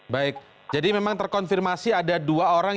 baik jadi memang terkonfirmasi ada dua orang